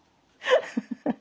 フフフッ。